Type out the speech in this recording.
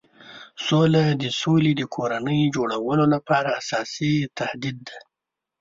سوله د سولې د کورنۍ جوړولو لپاره اساسي تهدید دی.